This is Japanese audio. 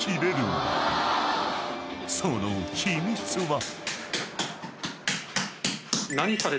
［その秘密は］